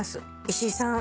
石井さん。